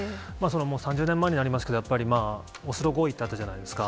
３０年前になりますが、やっぱり、オスロ合意ってあったじゃないですか。